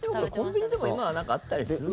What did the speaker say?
コンビニでも今はあったりする。